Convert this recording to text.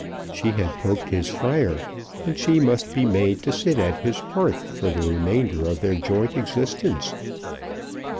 She had poked his fire, and she must be made to sit at his hearth for the remainder of their joint existence.